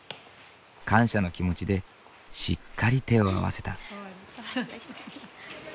感謝の気持ちでしっかり手を合わせた。